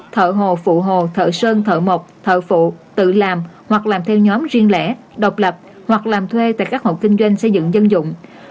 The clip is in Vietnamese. thợ hồ phụ hồ thợ sơn thợ mộc thợ phụ tự làm hoặc làm theo nhóm riêng lẻ độc lập hoặc làm thuê tại các hộ kinh doanh xây dựng dân dụng